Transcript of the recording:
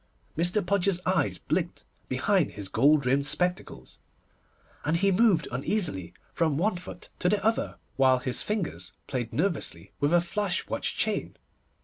Mr. Podgers's eyes blinked behind his gold rimmed spectacles, and he moved uneasily from one foot to the other, while his fingers played nervously with a flash watch chain.